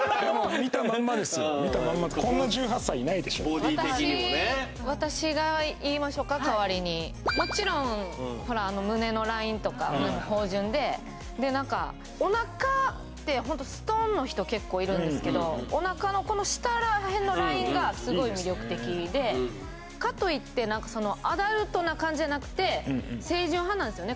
見たまんまボディー的にもね私が言いましょうか代わりにもちろんほら胸のラインとか胸も豊潤でで何かおなかってストンの人結構いるんですけどおなかのこの下ら辺のラインがすごい魅力的でかといって何かアダルトな感じじゃなくて清純派なんですよね